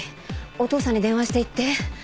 お父さんに電話して言って。